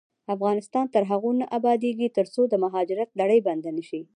افغانستان تر هغو نه ابادیږي، ترڅو د مهاجرت لړۍ بنده نشي.